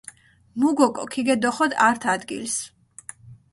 მუ გოკო ქიგედოხოდ ართ ადგილს